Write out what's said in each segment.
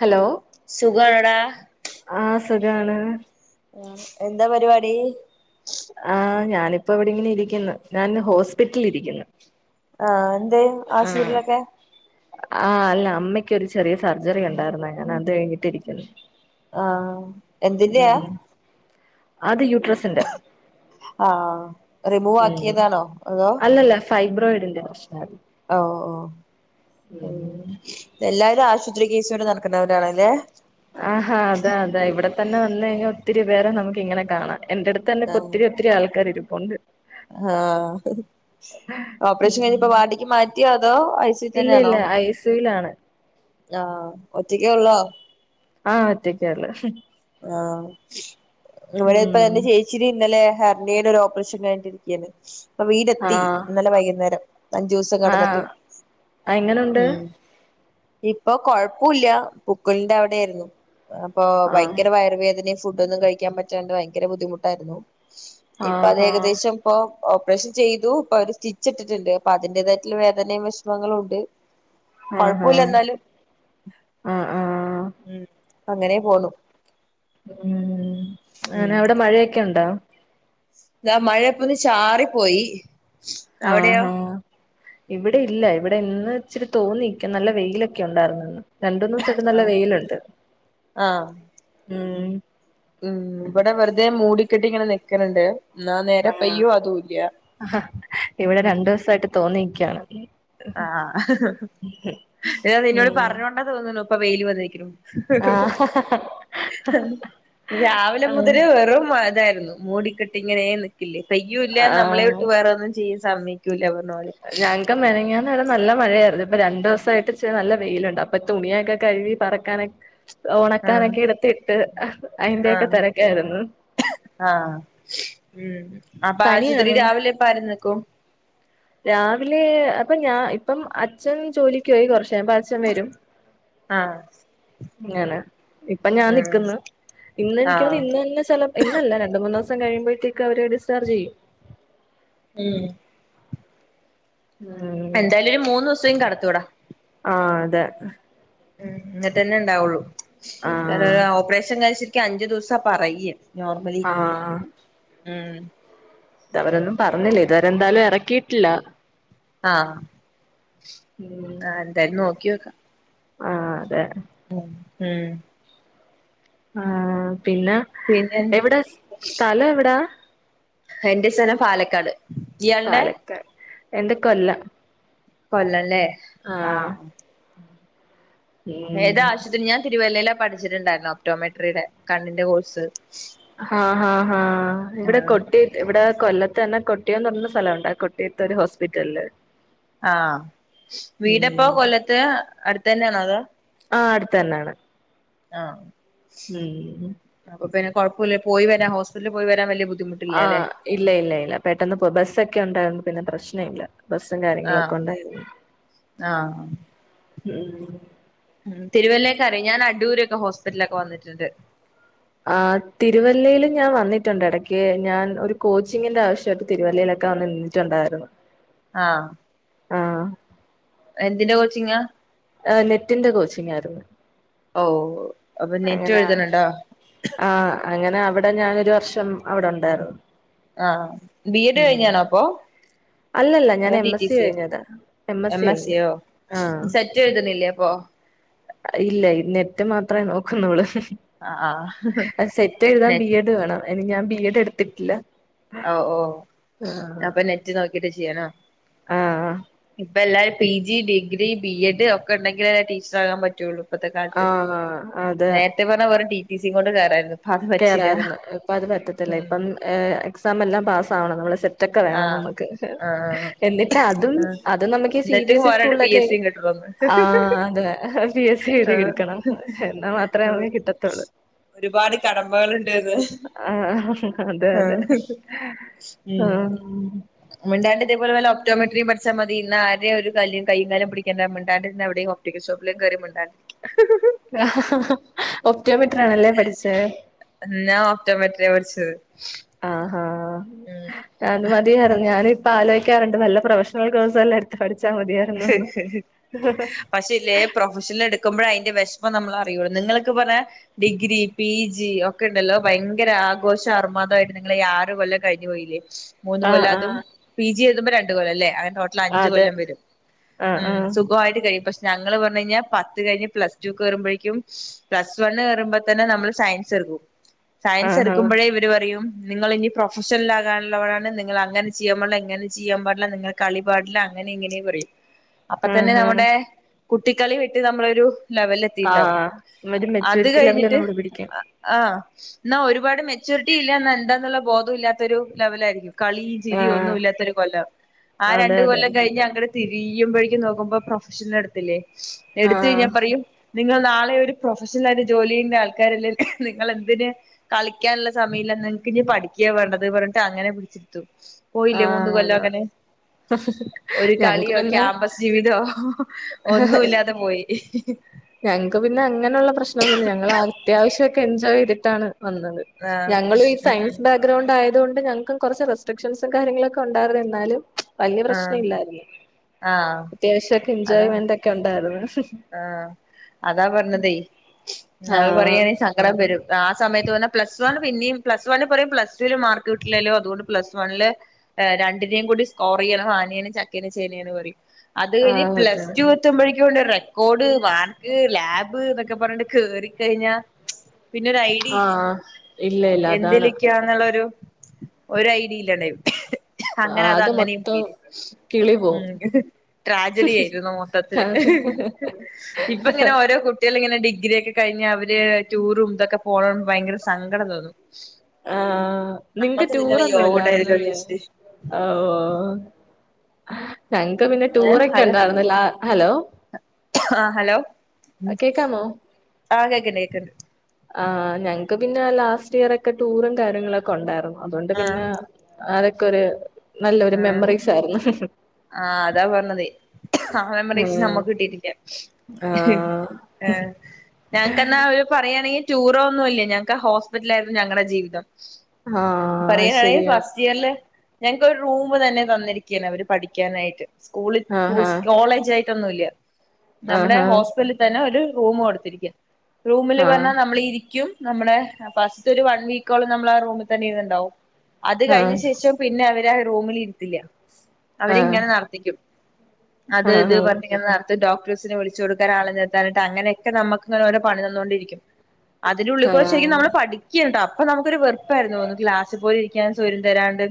Hello സുഗാണാ സുഗാണ് ആ എന്താ പരിപാടി ആ ഞാനിപ്പോ ഇവിടെങ്ങിനെ ഇരിക്കുന്നു ഞാൻ ഹോസ്പിറ്റിൽ ഇരിക്കുന്നു. ആ [unintelligible] ആ അല്ല അമ്മയ്ക്കൊരു ചെറിയ സർജറി ഉണ്ടായിരുന്നു ഞാൻ അത് കഴിഞ്ഞിട്ടിരിക്കുന്നു. ആ എന്തിന്റ്യാ ഉം അത് യൂട്രസിന്റെ ആ റിമൂവ് ആക്കിയതാണോ അതോ സൈബ്രോയിഡിന്റെ പ്രശ്നായിരുന്നു ഒ ഓ ഉം എല്ലാരും ആശു [unintelligible] ആ ഹ അതെ അതെ ഇവിടെ തന്നെ വന്നഴിഞ്ഞാ ത്തിരി പേരെ നമുക്ക് ഇങ്ങനെ കാണാം എന്റെ അടുത്തെന്നെ പ്പം ഒത്തിരി ഒത്തിരി ആൾക്കാര് രും ഒണ്ട് ആ ഓപ്പറേഷൻ ഉം കഴിഞ്ഞപ്പോ വാർഡിക്ക് മാറ്റിയോ അതോ ഐസിയിൽ ഇല്ല തന്നെയാണോ ഇല്ല ഐ സി യുലാണ് ആ ഒറ്റക്കേ ഒള്ളോ ആ ഒറ്റക്കള്ളൂ ആ ഇവിടെ ഉം ഇപ്പ എന്റെ ചേച്ചിരി ഇന്നലെ ഹേ വേറൊരു ഓപ്പറേഷൻ കഴിഞ്ഞിരികായിരുന്നു പ്പം വീട് എത്തി ഇന്നലെ വൈകുന്നേരം അഞ്ചു ദിവസം ആ കടന്നിട്ട് എങ്ങനുണ്ട് ഉം ഇപ്പൊ കൊഴപ്പൂല്ല്യ പുക്കിളിന്റെ അവിടെ യിരുന്നു അപ്പൊ ഭയ ആഹ് [unintelligible] വേദന ഫുഡ് ഒന്നും കഴിക്കാൻ പറ്റാണ്ട് ഭയങ്കര ബുദ്ധിമുട്ടായിരുന്നു ഇപ്പ അത് ആഹാ ഏകദേശം പ്പൊ ഓപ്പറേഷൻ ചെയ്തു പ്പ അത് സ്റ്റിച്ച് ഇട്ടിട്ടുണ്ട് പ്പ അതിന്റേതായിട്ടുള്ള വേദനയും വിഷമങ്ങളും ണ്ട് ആ ഹ ആ ആ ഉം അങ്ങനെ പോന്നു ഉം അങ്ങനെ അവിടെ മഴയൊക്കെ ഉണ്ടോ ദ മഴപ്പൊന്ന് ചാറി പോയി ആ ഹ ഇവിടെ ഇല്ല ഇവിടെ ഇന്ന് ഇച്ചിരി തോന്നിക്ക നല്ല വെയിലൊക്കെ ഉണ്ടായിരുന്നു ഇന്ന് രണ്ടൂന്ന് സായിട്ട് നല്ല ആഹ് വെയിലുണ്ട് ആഹ് ഉ ഉം ഇവിടെ വെറുതെ മൂടിക്കെട്ടി ഇങ്ങനെ നിക്കനുണ്ട് ആ ആ ഇവിടെ രണ്ടൂസായിട്ട് തോന്നി [unintelligible] ആ എ നിന്നോട് ഉം പറഞ്ഞോണ്ട തോന്നുന്നു ഇപ്പ വെയില് വന്നിരിക്ക്ണു- ആഹ് രാവിലെ മുതല് വെറും മതായിരുന്നു- മൂടിക്കെട്ടി ഇങ്ങനേനിന്ന്- പെയ്യു ഇല്ല ആഹ് നമ്മളെയൊട്ട് വേറെ ഒന്നും ചെയ്യ സമ്മയ് ക്കൂല പറഞ്ഞ പോലെ- ന്ന് നല്ല മഴയായിരുന്നു. ഇപ്പൊ രണ്ടു ദെവസായിട്ട് ഇച്ചിരി നല്ല വെയിലുണ്ട് അപ്പൊ തുണിയൊക്കെ കഴുകി പറക്കാനാ ഓണക്കാനൊക്കെ എടുത്തി എഹ് അഹ്- ആ ആ ഉം അപ്പൊ ആശുപത്രി പനിയാണോ രാവിലെ അപ്പം ആരുന്നിക്കും? പ്പം ഞാൻ ഇപ്പം അച്ഛൻ ജോലിക്ക് ആയി കൊറ ട്ടാകുമ്പം അച്ഛൻ വരും ആഹ് ഞാനാ ഇപ്പ ഞാൻ ആഹ് നിക്കുന്നു ഇന്ന് എനിക്ക് ആഹ് തോന്നുന്നു ഇന്ന് തന്നെ ചെല ഇന്നല്ല രണ്ട് മൂന്ന് ദിവ [unintelligible] കഴിയുമ്പോഴത്തേക്ക് അവരെ ഡിസ് ചാർജ് ചെയ്യും- ഉം ഉം എന്തായാലും ഒരു മൂന്നു ദിവസത്തേക്കും കിടത്തുമിവിടെ ദ ഉം അന്നിട്ട് തന്നെ ഉണ്ടാവുള്ളു ആഹ് [unintelligible] ഓപ്പറേഷൻ കഴിച്ചി ക്ക് അഞ്ച് ദിവസ പറയ്യ ആ ഉം ഇതവരൊന്നും പറഞ്ഞില്ല ഇതുവരെന്തായാലും ഇറക്കിയിട്ടില്ല ആ ആ എന്തായും നോക്കിവെക്കാം ആ അതെ ഉം ആ പിന്നെ പിന്നെ എവിടെ സ്ഥലം എവിടാ എന്റെ സ്ഥലം പാലക്കാട് ഇയാളുടെ പാലക്കാട് എന്റെ കൊല്ലം. കൊല്ലം അല്ലേ ആ ആഹ് ഏതാ ഉം ആശുപത്രി ഞാൻ തിരുവല്ലയിലാ പഠിച്ചിട്ടുണ്ടായിരുന്നു ഓപ്റ്റോമെട്രിയുടെ കണ്ണിന്റെ കോഴ്സ് ആ ആ ആ ഇവിടെ ആഹ് കൊട്ടിയത്ത് ഇവിടെ കൊല്ലത്ത് തന്നെ കൊട്ടിയൊന്ന് പറയുന്ന ഒരു സ്ഥലോണ്ട് ആ കൊട്ടിയോത്ത് ഒരു ഹോസ്പിറ്റലില്. ആഹ് വീടെപ്പൊ ഉം കൊല്ലത്തെ അടുത്തന്നെയാന്നോ അതോ ആഹ് അടുത്തന്നാണ് ആഹ് ഉം കൊഴപ്പുല്ല പോയിവരാം ഹോസ്റ്റ്പിറ്റ ലി പോയി വരാം വല്ല്യബു ആഹ് ഇല്ല ഇല്ല ഇല്ല പെട്ടെന്ന് പോ ബസ്സൊക്കെ ഉണ്ടായിരുന്നു പിന്നെ പ്രശ് നയില്ല ബസ്സും കാര്യങ്ങളൊക്കെ ആഹ് ഉണ്ടായിരുന്നു ഉം തിരുവല്ലേക്കറിയൊ ഞാൻ അടൂരൊക്കെ ഹോസ്പിറ്റ്ലൊക്കെ വന്നിട്ട്ണ്ട് ആഹ് തിരുവല്ലേല് ഞാൻ വന്നിട്ടുണ്ട് എടക്ക് ഞാൻ ഒരു കോച്ചിങ്ങിന്റെ ആവശ്യ തിരുവല്ലേലൊക്കെ വന്ന് നിന്നിട്ടുണ്ടായിരുന്നു ആഹ് ആഹ് എന്തിന്റെ കോച്ചിങ്ങാ ആ നെറ്റിന്റെ കോച്ചിംഗായിര്ന്ന് ഓവ് അപ്പൊ നെറ്റൊഴുത്ണ് ണ്ടോ അങ്ങന അവടെ ഞാനൊരു വർഷം അവടെ ഉണ്ടായിര്ന്ന് ആഹ് അ ബി എഡ് കഴിഞ്ഞാണോ അപ്പൊ അല്ലല്ല ഞാൻ അതോ എം ടി ടി എസ്സി സിയോ ഴിഞ്ഞതാ എം എസ്സി എസ് കഴിഞ്ഞ്ണ് സിയോ ആ സെറ്റ് എഴുതണില്ലേ അപ്പൊ ഇല്ല നെറ്റ് മാ അത്രയേ നോക്ക്ന്നോള് ആഹ് ആഹ് അത് സെറ്റ് എഴുതാൻ ബീ നെറ്റ് എഡ് വേണോ അയിന് ഞാൻ ബീ എഡ് എടുത്ത്ട്ട്ല്ല ഔ ഓ അപ്പൊ നെറ്റ് നോക്കീട്ട് ചെ ചിയണോ ഉം ആ ഇപ്പ ല്ലാരും P G degree B Ed ഒക്കെ ഇണ്ടെങ്കിലലെ ടീച്ച്റാകാൻ പറ്റൊള്ളൂ ഇപ്പത്തെ കാലത്ത് ആ ആ, അതെ നേരത്തെ പറഞ്ഞ വെറും ട്ടീ ട്ടീസീ കൊണ്ട് കേറായിരുന്നു കേറാര്ന്ന് ഇപ്പ അത് പറ്റത്തില്ല ഉം ഇപ്പം ഏഹ് എക്സാമെല്ലാം പാസ്സാവണം നമ്മള് സെ ത്തൊക്കെ വേണം ആഹ് നമ്മക്ക് ഹ് ഹ് ആഹ് എന്നിട്ട് അതും ആഹ് അത് നമ്മക്ക് ഈ സീ, ബീ എന്നിട്ട് എസ് ഇ പോരാണ്ട് പി സ്കൂളിലൊക്കെ എസ് സിയും കിട്ടണന്ന് ആഹ് അതെ പീ എസ്സി എഴുതി ആഹ് കിടിക്കണം എന്നാ മാത്രേ ആഹ് നമ് കിട്ടത്തൊള്ളൂ ഒരുപാട് കടമകളുണ്ട്ന്ന് ആഹ് ഹ് അതെ അതെ ആഹ് ഉം ആഹ് മിണ്ടാണ്ട് ഇതേപോലെ വല്ല ഒപ്റ്റോമെട്രീ പഠിച്ചാ മതി. ഇന്നാ ആരേ ഒരു കല്ല് കയ്യും കാലും പിടിക്കണ്ട മിണ്ടാണ്ടിര്ന്ന് എവിടെയും ഒപ്റ്റിക്കൽ ഷോപ്പിലും കേറി മിണ്ടാണ്ടിരിക്ക ഹ് ഹ് ഹ് ഹ് ഹ് ഹ് ഒപ്റ്റോമെട്രി ആണല്ലേ പഠിച്ചേ ഞാൻ ഓപറ്റോമെട്രിയാ പഠിച്ചത് ആ ഉം ആ അത് മതിയാരുന്നു ഞാനും ഇ ഇപ്പൊ ആലോചിക്കാറുണ്ട് നല്ല പ്രൊഫഷണൽ കോഴ്സ് വല്ലോ എടുത്ത് പഠി പക്ഷെ ഇല്ലേ പ്രൊഫഷണൽ എടുക്കുമ്പോഴ അയിന്റെ വിഷമ... അപ്പൊ നമ്മള അറിയുള്ളൂ. നിങ്ങളൊക്കെ പറഞ്ഞ ഡിഗ്രി പി ജി ഒക്കെയുണ്ടല്ലോ ഭയങ്കര ആഘോഷ അർമാദായിട്ട് നിങ്ങളീ ആറ് കൊല്ലം കഴിഞ്ഞു പോയില്ലേ മൂന്ന് ആഹ് കൊല്ലം അതും ആഹ് പി ജി എഴുതുമ്പോ ര... [unintelligible] ടോട്ടൽ അതെ അഞ്ച്കൊല്ലം വരും ആഹ് ഉം ആഹ് സുഖം ആയിട്ട് കഴി ഇപ്പൊ ഞങ്ങള് പറഞ്ഞ് കഴിഞ്ഞ പത്ത് കഴിഞ്ഞ് പ്ലസ് ടു കേറുമ്പോഴേക്കും പ്ലസ് വണ് കേറുമ്പോ തന്നെ നമ്മള് സയൻസ് എടുക്കും സയൻസ് ആഹ് എടുക്കുമ്പോഴേ ആഹ് ഇവര് പറയും നിങ്ങൾ ഇനി പ്രൊഫഷണലാകാനുള്ളവരാണ് നിങ്ങ അങ്ങനെ ചെയ്യാൻ പാടില്ല ഇങ്ങനെ ചെയ്യാൻ പാടില്ല നിങ്ങൾ കളി പാടില്ല അങ്ങനെ ഇങ്ങനെയെ പറയും അപ്പൊ തന്നെ ആഹ് നമ്മുടെ കുട്ടിക്കളി വിട്ട് നമ്മളൊരു ലെവല് ആഹ് എത്തിണ്ടാവും ആഹ് ഒരു അത് മെച്യൂരിറ്റി ലെവല് കഴിഞ്ഞിട്ട് നമ്മള് പിടിക്കും അ ആ എന്നാ ഒരുപാട് മെച്ചയൂറിറ്റി ഇല്ല എന്താന്നുള്ള ബോധം ഇല്ലാത്തൊരു ലെവലായിരിക്കും കളിയും ചിരി ആഹ് ഒന്നും ഇല്ലാത്തൊരു കൊല്ലം ആ അതെ അതെ രണ്ടുകൊല്ലം കഴിഞ്ഞ അങ്ങട് തിരിയുമ്പോഴേക്കും നോക്കുമ്പോ പ്രൊഫഷൻ എടുത്തില്ലേ എടുത്ത ആഹ് കഴിഞ്ഞാ പറയും നിങ്ങൾ നാ ഒരു പ്രൊഫഷണൽ ആയിട്ട് ജോലി ചെയ്യുന്ന ആൾക്കാരല്ലേ നിങ്ങെളെന്തിന് കളിക്കാനുള്ള സമയമില്ല നിങ്ങക്ക് ഇനി പഠിക്കുക വേണ്ടത് പറഞ്ഞിട്ട് അങ്ങനെ പിടിച്ചെടുത്തു ആ അത [unintelligible] ഒരു കളിയോ ക്യാമ്പസ് ജീവിതോ ഒന്നും ഇല്ലാതെ പോയി പ്രശ്നഒന്നും ഇല്ല. ഞങ്ങള് അത്യാവിശം [unintelligible] ഒക്കെ എൻജോയ് ചെയ്തിട്ടാണ് വന്നത് ആഹ് ഞങ്ങളും ഈ ഉം സയൻസ് ബാക്ക്ഗ്രൗണ്ട് ആയി [inaudible] അതൊണ്ട് ഞങ്ങൾക്കും കുറച്ച് റെസ്റ്റൊ [unintelligible] ക്ഷൻസും കാര്യങ്ങളൊക്കെ ഉണ്ടായിരുന്നു എന്നാലും വലിയ ആഹ് പ്രശ്നം ഇല്ലായിരുന്നു. ആഹ് അത്യാവശ്യമൊക്കെ എൻജോയ്മെന്റ് ഒക്കെ ഉണ്ടായിരുന്നു ആ അതാ പറഞ്ഞതേ ഞൾ ആഹ് പറയണെ സങ്കടം വരും ആ സമയത്ത് പറഞ്ഞ പ്ലസ് വൺ പിന്നെയും പ്ലസ് വണിൽ പറയും പ്ലസ് ടുവിൽ മാർക്ക് കിട്ടില്ലല്ലോ അതുകൊണ്ട് പ്ലസ് വണ്ണില് രണ്ടിനേ കൂടി സ്കോർ ചെയ്യണം ആനയാണ് ചക്കയാണ് ചേനയാണ് പറയും അത് കഴിഞ് ആഹ് അതെ പ്ലസ് ടു എത്തുമ്പോഴേ [unintelligible] കോട് വാക്ക് ലാബ് എന്നൊക്കെ പറഞ്ഞണ്ട് കേറിക്കഴിഞ്ഞാ പിന്നെ ഒരു ഐഡിയ ഇല്ല ആഹ് ഇല്ല ഇല്ല അതാണ് എന്തിലിക്കാ എന്നുള്ളരു ഒരു ഐഡിയില്ലെ ടെ അങ്ങനെ അത് ആകെ അങ്ങനെയും മൊത്തം പോയിര് കിളി പോവും ഉം ട്രാജൽ ആയിരുന്നു നോട്ടത്തില് ഇപ്പൊ ഇങ്ങനെ ഓരോ കുട്ടികളും ഇങ്ങനെ ഡിഗ്രിയ ഒക്കെ കഴിഞ് അവര് ടൂറും ഇതൊക്കെ പോവ്ണണ് മ്പോൾഭയങ്കര സങ്കടം തോന്നും ആഹ നിങ്ങക്ക് നമ്മക്ക് ഇതിനുള്ള ടൂറൊന്നും യോഗ ഉണ്ടായില്ലോ ഇല്ലായിരുന്നല്ലേ വിചാരിച്ചിട്ട് ഓ [unintelligible] ഞങ്ങക്ക് പിന്നെ ഏ ടൂറൊക്കെ ഹലോ ഉണ്ടായിന്നില്ല ഹലോ ആ ഹലോ കേക്കാമോ ആ കേക്കണ്ട് കേക്കണ്ട് ആ ഞക്ക് പിന്നെ ലാസ്റ്റ് ഇയർ ഒക് ക്കെ ടൂറും കാര്യങ്ങളൊക്കെ ഒണ്ടായിരുന്നു അതുകൊണ്ട് ആ പിന്നെ അതൊക്കെരു ആ ആ അതാ പറഞ്ഞതെ ആ മെമ്മറിസ് ഉം നമ്മക്ക് കിട്ടിട്ടില്ല ആഹ് ഏഹ് ഞങ്ങക്കന്നാ അവര് പറയാണെയില് ടൂറോ ഒന്നുവില്ല ഞങ്ങക്ക് ഹോസ്പിറ്റലാരുന്നു ഞങ്ങടെ ജീവിതം ആഹ് അത് [unintelligible] ശരിയാണ് ഫസ്റ്റ് ഇയർല് ഒരു റൂമ് തന്നെ തന്നിരിക്കയാണ് അവര് പഠിക്കാനായിട്ട് സ്കൂളിൽ [unintelligible] ആഹ് കോളേജായി വിട്ടൊന്നുവില്യ നമ്മടെ ആഹ് ഹോസ്പിറ്റലി തന്നെ ഒരു റുമ് കൊടുത്തിരിക്ക റൂമില് ആഹ് വന്നാ നമ്മളിരിക്കും നമ്മളെ ഫാസ്റ്റൊരു വൺ വീക്കോളം നമ്മളാ റൂമി തന്നെ ഇര്ന്നുണ്ടാവും അത് ആഹ് കഴിഞ്ഞ ശേഷം പിന്നെ അവ രാ റൂമിലിരിത്തില്ല ആഹ് അവരിങ്ങനെ നടത്തിക്കും അത് ആഹ് ഇത് ആഹ് ആഹ് പറഞ്ഞ്ങ്ങനെ നടത്തും ഡോ ക് ട്ടേഴ്സിനെ വിളിച്ചു കൊടുക്കാൻ ആളെ നിർത്താ നട്ട് അങ്ങനക്കെ നമ്മക്ക് ഒരേ പണി തന്നോണ്ടിരിക്കും അതിനുള്ളികൂടെ ശെരിക്കും ആഹ് നമ്മള് പഠിക്കണ് ട്ടാ അപ്പ നമ്മക്ക് ഒരു വെർ പ്പാന്ന് തോന്നും ക്ലാസ് പോയി ഇരിക്കാൻ സ്വരം തരാണ്ട്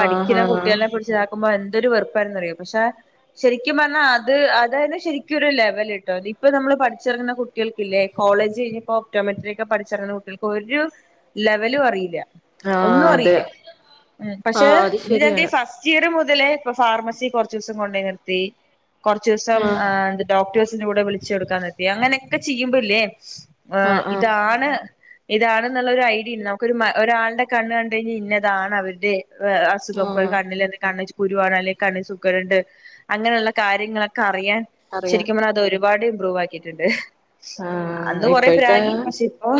ആഹ് ആഹ് കുട്ടികളെ കുറിച്ചതാക്കുമ്പോ എന്തൊരു വെറുപ്പരന്ന് അറിയൊ പക്ഷെ ശരിക്കും പറഞ്ഞാൽ അത് അതെ ശരിക്കും ഒരു ലെവൽട്ടോ ഇപ്പൊ നമ്മള് പഠിച്ചിറങ്ങുന്ന കുട്ടികൾക്കില്ലേ കോളേജ് കഴിഞ്ഞപ്പോ ഓക്റ്റോമെട്രിയ ഒക്കെ പഠിച്ചിറങ്ങുന്ന കുട്ടികൾക്ക് ഒരു ലെവലും അറിയില്ല ആഹ് ഒന്നും അതെ അറിയില്ല ഉ പക്ഷേ ആഹ് അത് ഇത് ന്റെ ശരിയാണ് ഫസ്റ്റ് ഇയ്യാർ മുതലേ ഇപ്പം ഫാർമസി കുറച്ച് ദിവസം കൊണ്ട് നിർത്തി കുറച്ച് ദിവസം ആഹ് ആ ഡോക്ടേഴ്സിന്റെ കൂടെ വിളിച്ചുടുക്കാന്ന് കരുതി അങ്ങനെ ഒക്കെ ചെയ്യുമ്പില്ലേ ആ ആഹ് ആഹ് ഇതാണ് ഇതാണെന്നുള്ള ഒരു ഐഡിയിണ്ട് നമുക്ക ഒരു ഒരാളുടെ കണ്ണ് കണ്ട കഴിഞ്ഞാൽ ഇന്നതാണ് അവരുടെ വേ സുഖപ്പ് ആഹ് കണ്ണിലെ കാണ് കുരു വാണ് അല്ലെ കണ്ണിൽ സൂക്കേട് ഉണ്ട് അങ്ങനെയുള്ള കാര്യങ്ങളൊക്കെ അറിയാൻ അറിയാം ശരിക്കുംപറ അതൊരു ഒരുപാട് ഇമ്പ്രൂവാക്കിയിട്ടുണ്ട് ആഹ് ഇപ്പോഴത്തെ ഇപ്പൊ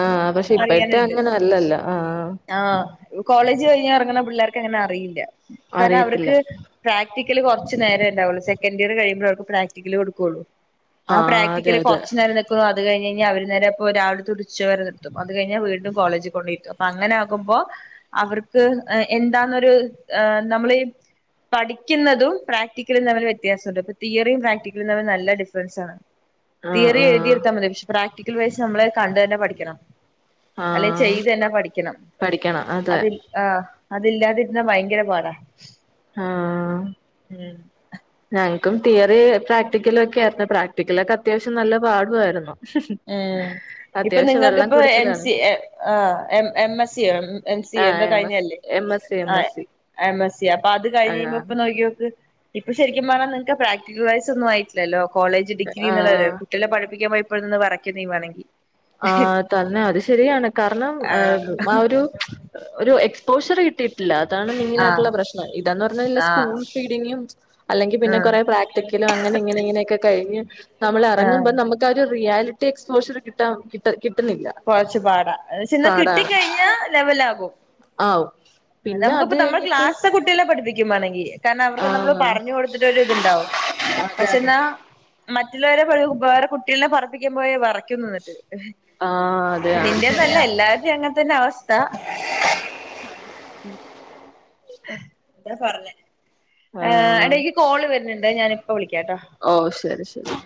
ആ പക്ഷെ ഇപ്പോഴത്തെ അറിയാനുണ്ട് അങ്ങനെ അല്ലല്ലോ അ ആ ആഹ് കോളേജ് കഴിഞ്ഞ് ഇറങ്ങ്ണ പിള്ളേർ അങ്ങനെ അറിയില്ല കാരണം അറിയത്തില്ല അവർക്ക് പ്രാക് പ്രാക്ടിക്കല് കുറച്ച് നേരേണ്ടാവുള്ള സെൻഡ ഇയർ കഴിയ്പോ അവർക്ക് പ്രാക്ടിക്കൽ കൊടുക്കുള്ളൂ ആ ആഹ് അതെ പ്രാക്ടിക്കലി അതെ കൊറച്ച് നേരം നിക്കുന്നു അത് കഴിഞ്ഞഞ് കഴിഞ്ഞൽ അവര് നേരെ ഇപ്പോ രാവിലെത്തെ തുടിച്ച വരെ നിർത്തും അത് കഴിഞ്ഞാൽ വീണ്ടും കോളേജ് കൊണ്ടയിരിക്കും അപ്പൊ അങ്ങനെ ആുമ്പോ അവക്ക് എന്താന്നൊരു നമ്മൾ പഠിക്കുന്നതും പ്രാക്ടിക്കലും തമ്മില് വ്യത്യാസമുണ്ട് ഇപ്പൊ തിയറിയും പ്രാക്ടിക്കലും തമ്മ നല്ല ഡിഫറൻസ് ആണ് ആഹ് തീയറി ആഹ് എഴുതിയിരുത്താൽ മതി പക്ഷെ പ്രാക് വ നമ്മള് കണ്ട തന്നെ പഠിക്കണം അല്ലെ ആഹ് ചെയ്ത് തന്നെ പഠിക്കണം പഠിക്കണം അതെ അതിൽ ആ അതില്ലാതിരുന്നാ ഭയങ്കര പാടാ ആഹ് ഉം ഞങ്ങക്കും തിയറി പ്രാക്ടിക്കല ഒക്കെ ആയിരുന്നു പ്രാക്ടിക്കല ഒക്കെ അത്യാവശ്യം നല്ല പാടുമായിരുന്നു ഉം ഇപ്പൊ നിങ്ങൾക്ക് ഇപ്പോ എം കുടിച്ചതാണ് സ ആ എം എസ് സ എം സ ആഹ് എന്താ എം എസ് കഴിഞ്ഞല്ലേ എം എസ് സി എം ആ എസ് സി എം എസ് സ അപ്പൊ അത് കഴിഞ്ഞ് ആഹ് കഴിയുമ്പോ ഇപ്പൊ നോക്കിോക്ക് ഇപ്പൊ ശരിക്കും പറഞ്ഞണം നിങ്ങക്ക് പ്രാക്ടിക്കൽ വൈസ് ഒന്നുംയിട്ടില്ലല്ലോ കോളേജ് ഡിഗ്രി ആഹ് എന്നുള്ളല്ല കുട്ടളെ പഠിപ്പിക്കാൻ ഇന്ന് പറം [unintelligible] ആ തന്നെ അത് ശരിയാണ് കാരണം ആഹ് ആ ഒരു ഒരു എക്സ്പോഷർ കിട്ടി ട്ടില്ല അതാണ് ആഹ് മെയിനായിട്ടുള്ള പ്രശ്നം ഇതാന്ന് പറഞ്ഞ ആഹ് സ്കൂൾ ഫീഡിങ്ങും അല്ലെങ്കിൽ പിന്നെ ആഹ് കുറെേ പ്രാക്ടിക്കലും അങ്ങനെ ഇങ്ങനെ ഇങ്ങനെയൊക്കെ കഴിഞ്ഞ് ആഹ് നമ്മളെറങ്ങ്മ്പം നമ്മക്കരു റിയാൽറ്റി എക്സ്പോഷ ട്ടാൻ കിട് കിട് കൊർച്ചു പാടാ അയിച്ച് ന്നാ കിട്ടിക്കഴിഞ്ഞാ ലെവലാകും ആവും പിന്നെ അത് നമുക്കിപ്പം നമ്മൾ കഴിഞ്ഞിട്ട് ക്ലാസ്ത്തെ കുട്ടികളെ പഠിപ്പിക്കും പ്ണങ്കി കാരണം ആ അവർക്ക് ന്നമ്മൾ പറഞ്ഞു കൊടുത്തിട്ടൊരുത്ണ്ടാവും അതെ അതെ പക്ഷെന്നാ മറ്റുള്ളവരെ പോലെ വെറെ കുട്ട്യാളെ പറപ്പിക്കുമ്പോയേ വെറയ്ക്കുംന്നിട്ട് ആ അതെ ആ നിന്റെന്നെല്ല എല്ലാരുടെയും അങ്ങതന്നെവസ്ഥ ആ ഞ പറഞ്ഞേ ആ ഇടക്ക് കോള് വരുന്നുണ്ട് ഞാ ഇപ്പോ വിളിക്കാം ഓ ശരി ശരി